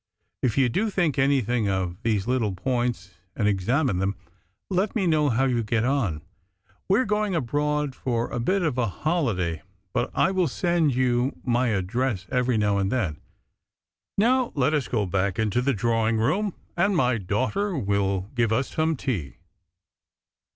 If you do think anything of these little points and examine them, let me know how you get on. We are going abroad for a bit of a holiday, but I will send you my address every now and then. Now, let us go back into the drawing room, and my daughter will give us some tea."